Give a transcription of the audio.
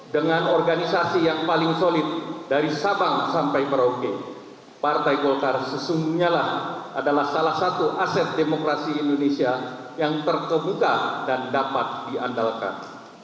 dengan organisasi yang paling solid dari sabang sampai merauke partai golkar sesungguhnya lah adalah salah satu aset demokrasi indonesia yang terkebuka dan dapat diandalkan